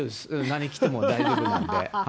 何着ても大丈夫なんで。